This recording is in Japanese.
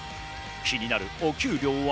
気になるお給料は。